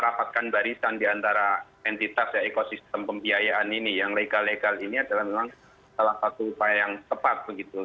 rapatkan barisan diantara entitas ya ekosistem pembiayaan ini yang legal legal ini adalah memang salah satu upaya yang tepat begitu